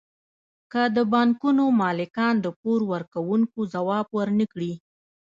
که د بانکونو مالکان د پور ورکوونکو ځواب ورنکړي